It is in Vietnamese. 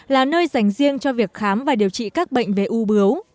là nơi dành riêng cho việc khám và điều trị các bệnh về u bướu